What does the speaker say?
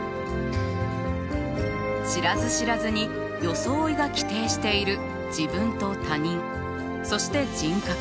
知らず知らずに装いが規定している自分と他人そして人格。